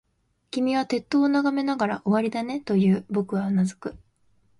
君は鉄塔を眺めながら、終わりだね、と言う。僕はうなずく。